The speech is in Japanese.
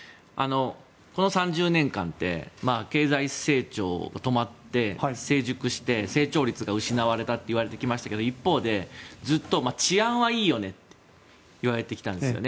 この３０年間って経済成長が止まって成熟して成長率が失われたといわれてきましたけど一方で、ずっと治安はいいよねといわれてきたんですよね。